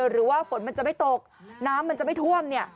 หรือว่าฝนมันจะไม่ตกน้ำมันจะไม่ท่วมเนี่ย